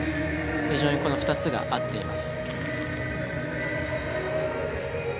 非常にこの２つが合っています。